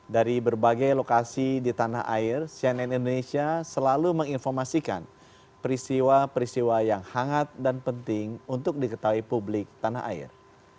dari berbagai lokasi di tanah air cnn indonesia selalu menginformasikan peristiwa peristiwa yang hangat dan penting untuk diketahui publik tanah air